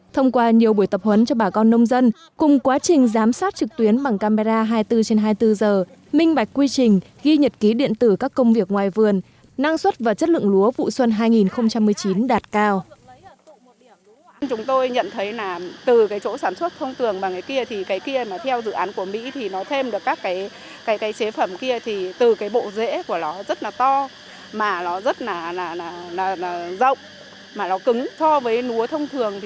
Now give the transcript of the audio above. thông qua nhiều buổi tập huấn cho bà con nông dân cùng quá trình giám sát trực tuyến bằng camera hai mươi bốn trên hai mươi bốn giờ minh bạch quy trình ghi nhật ký điện tử các công việc ngoài vườn năng suất và chất lượng lúa vụ xuân hai nghìn một mươi chín đạt cao